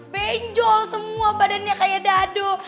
benjol semua badannya kayak dado